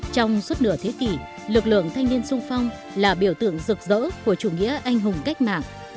trong suốt nửa thế kỷ lực lượng thanh niên sung phong là biểu tượng rực rỡ của chủ nghĩa anh hùng cách mạng